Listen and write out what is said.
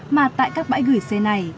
mà tại các bãi gửi xe này